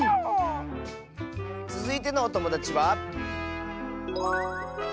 つづいてのおともだちは。